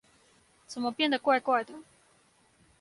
怎麼變得怪怪的